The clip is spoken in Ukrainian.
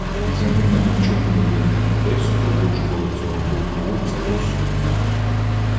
Різанина ні в чому не винних людей супроводжувала цього «полководця» повсюдно